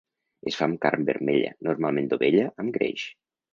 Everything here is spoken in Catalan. Es fa amb carn vermella, normalment d'ovella amb greix.